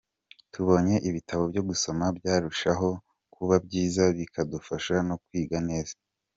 Tubonye ibitabo byo gusoma byarushaho kuba byiza bikadufasha no kwiga neza”.